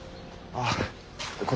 あっ。